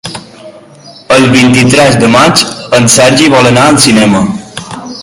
El vint-i-tres de maig en Sergi vol anar al cinema.